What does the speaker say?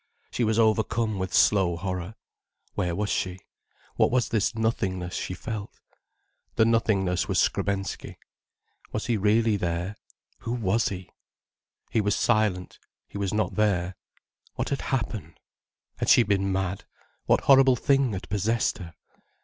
She was overcome with slow horror. Where was she? What was this nothingness she felt? The nothingness was Skrebensky. Was he really there?—who was he? He was silent, he was not there. What had happened? Had she been mad: what horrible thing had possessed her?